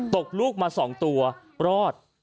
ตกลูกมา๒ตัวรอด